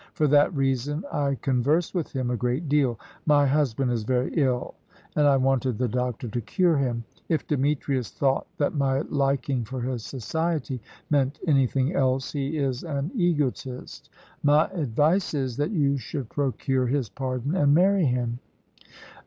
For that reason I conversed with him a great deal. My husband is very ill, and I wanted the doctor to cure him. If Demetrius thought that my liking for his society meant anything else, he is an egotist. My advice is, that you should procure his pardon and marry him."